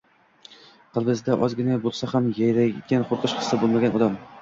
Qalbida ozgina bo‘lsa ham Yaratgandan qo‘rqish hissi bo‘lmagan odam